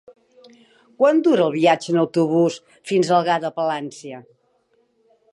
Quant dura el viatge en autobús fins a Algar de Palància?